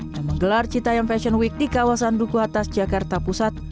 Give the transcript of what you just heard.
yang menggelar citayam fashion week di kawasan duku atas jakarta pusat